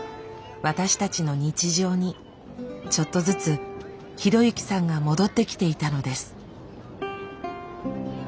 私たちの日常にちょっとずつ啓之さんが戻ってきていたのです。